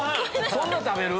そんな食べる⁉